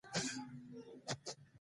هغه ښه انسان دی، خو زما یې ښه نه ایسي.